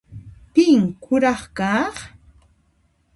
Pin kuraq kaq?